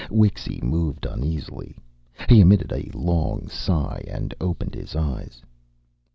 Wixy moved uneasily. He emitted a long sigh and opened his eyes.